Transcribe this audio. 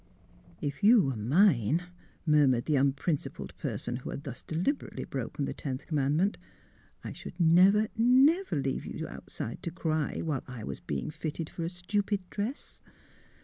'* If you were mine," murmured the unprin cipled person who had thus deliberately broken the tenth commandment, " I should never, never leave you outside to cry, while I was being fitted for a stupid dress."